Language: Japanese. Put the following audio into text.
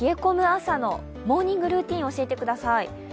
朝のモーニングルーティンを教えてください。